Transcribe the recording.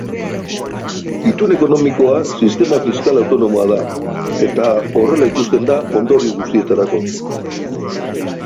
Itun ekonomikoa sistema fiskal autonomoa da, eta horrela ikusten da ondorio guztietarako.